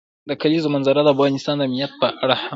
د کلیزو منظره د افغانستان د امنیت په اړه هم اغېز لري.